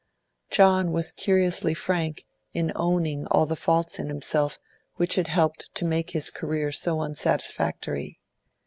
John was curiously frank in owning all the faults in himself which had helped to make his career so unsatisfactory.